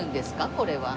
これは。